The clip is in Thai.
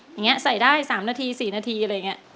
อย่างนี้ใส่ได้๓นาที๔นาทีอะไรอย่างนี้